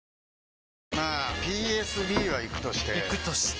まあＰＳＢはイクとしてイクとして？